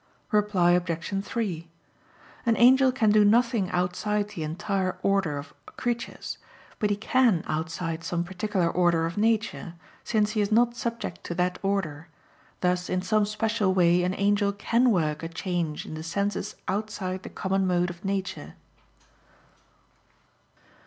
Reply Obj. 3: An angel can do nothing outside the entire order of creatures; but he can outside some particular order of nature, since he is not subject to that order; thus in some special way an angel can work a change in the senses outside the common mode of nature.